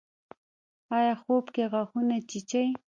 ایا خوب کې غاښونه چیچئ؟